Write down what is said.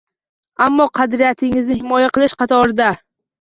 Ammo qadriyatlaringizni himoya qilish qatorida